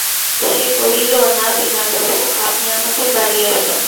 সে কহিল, না বিনয়বাবু, আপনি আমাদের বাড়ি আসুন।